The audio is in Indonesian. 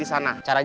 anggap lalu dicurah